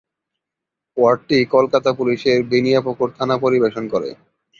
ওয়ার্ডটি কলকাতা পুলিশের বেনিয়াপুকুর থানা পরিবেশন করে।